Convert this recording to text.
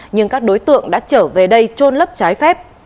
nhưng các đối tượng đã trở về đây trôn lấp trái phép